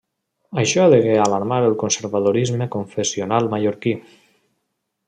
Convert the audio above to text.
Això degué alarmar el conservadorisme confessional mallorquí.